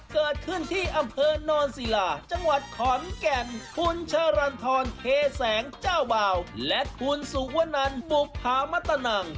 เกิดขึ้นที่อำเภอโนนศิลาจังหวัดขอนแก่นคุณชะรันทรเทแสงเจ้าบ่าวและคุณสุวนันบุภามตนัง